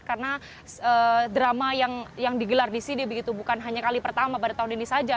karena drama yang digelar di sini begitu bukan hanya kali pertama pada tahun ini saja